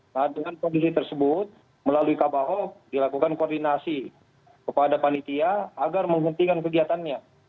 nah dengan kondisi tersebut melalui kabahok dilakukan koordinasi kepada panitia agar menghentikan kegiatannya